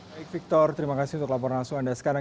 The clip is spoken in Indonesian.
baik victor terima kasih untuk laporan langsung anda sekarang